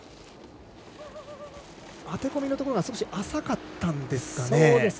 当て込みのところが少し浅かったんですかね。